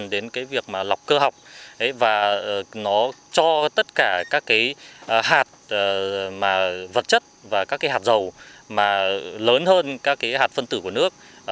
nó liên quan đến việc lọc cơ học và nó cho tất cả các hạt vật chất và các hạt dầu lớn hơn các hạt phân tử của nước